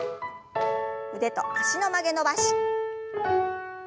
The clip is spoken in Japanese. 腕と脚の曲げ伸ばし。